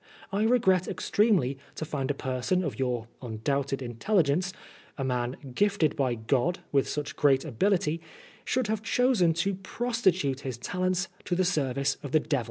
I regret extremely to find a per son of your undoubted intelligence, a man gifted by God with such great ability, should have chosen to prostitute his talents to the service of the DevU.